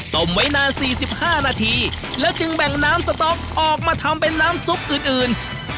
ต้มไว้นาน๔๕นาทีแล้วจึงแบ่งน้ำสต๊อกออกมาทำเป็นน้ำซุปอื่น